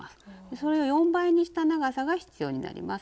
それを４倍にした長さが必要になります。